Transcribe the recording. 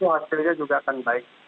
hasilnya juga akan baik